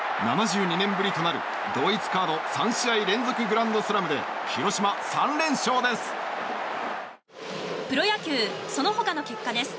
７２年ぶりとなる同一カード３試合連続グランドスラムで広島、３連勝です。